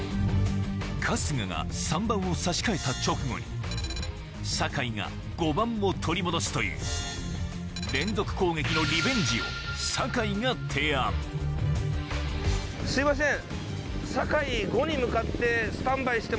春日が３番を差し替えた直後に酒井が５番も取り戻すという連続攻撃のリベンジを酒井が提案すいません。